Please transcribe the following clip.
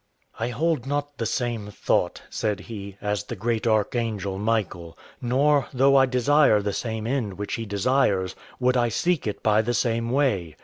"I hold not the same thought," said he, "as the great archangel Michael; nor, though I desire the same end which he desires, would I seek it by the same way.